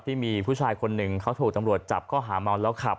ที่มีผู้ชายคนหนึ่งเขาถูกตำรวจจับข้อหาเมาแล้วขับ